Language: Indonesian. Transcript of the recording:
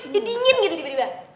dia dingin gitu tiba tiba